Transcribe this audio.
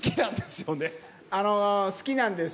好きなんです。